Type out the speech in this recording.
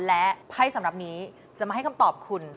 และไพ่สำหรับนี้จะมาให้คำตอบคุณ